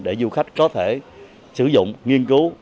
để du khách có thể sử dụng nghiên cứu